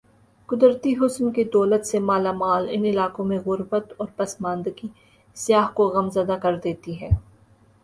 قدرتی حسن کی دولت سے مالا مال ان علاقوں میں غر بت اور پس ماندگی سیاح کو غم زدہ کر دیتی ہے ۔